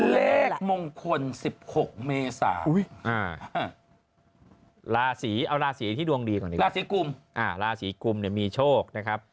เล็กมงคล๑๖เมศาเอาราศีที่ดวงดีก่อนดีกว่าราศีกุมมีโชคนะครับ